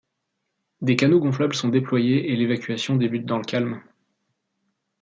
Des canots gonflables sont déployés et l'évacuation débute dans le calme.